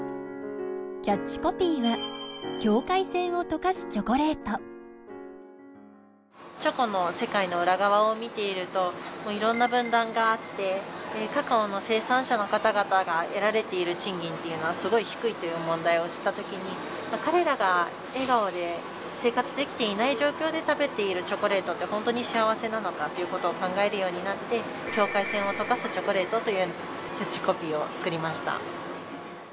キャッチコピーはチョコの世界の裏側を見ているといろんな分断があってカカオの生産者の方々が得られている賃金っていうのはすごく低いという問題を知ったときに彼らが笑顔で生活できていない状況で食べているチョコレートって本当に幸せなのかっていうことを考えるようになって「境界線をとかすチョコレート」というキャッチコピーを作りました。